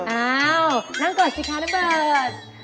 เอ้านั่งก่อนสิค่ะน้ำเบิร์ด